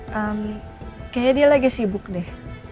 hmm kayaknya dia lagi sibuk deh